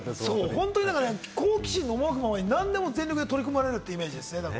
好奇心の赴くままに何でも全力で取り組まれるイメージなんですよね。